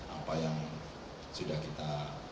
apa yang sudah kita